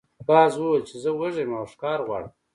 باز وویل چې زه وږی یم او ښکار غواړم.